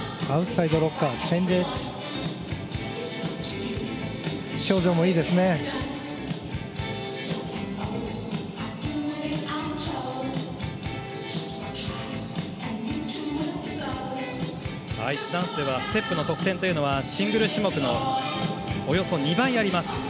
アイスダンスではステップの得点というのはシングル種目のおよそ２倍あります。